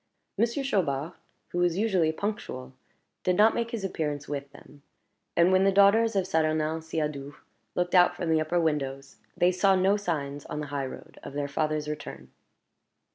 Monsieur Chaubard, who was usually punctual, did not make his appearance with them; and when the daughters of Saturnin Siadoux looked out from the upper windows, they saw no signs on the high road of their father's return.